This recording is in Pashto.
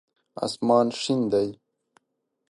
اسمان شین دی